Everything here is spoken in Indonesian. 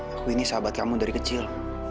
aku ini sahabat kamu dari kecil